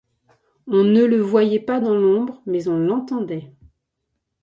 On ne le voyait pas dans l’ombre, mais on l’entendait.